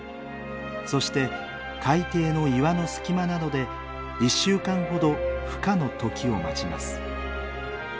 そして海底の岩の隙間などで１週間ほどふ化の時を待ちます。